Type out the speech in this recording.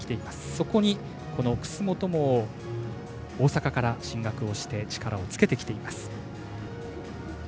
そこに楠元も大阪から進学して力をつけてきています。